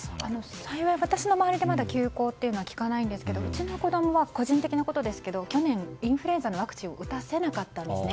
幸い私の周りでまだ休校というのは聞かないんですけどうちの子供が個人的なことですけど去年インフルエンザのワクチンを打たせなかったんですね。